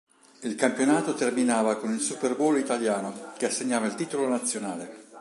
Il campionato terminava con il Superbowl italiano che assegnava il titolo nazionale.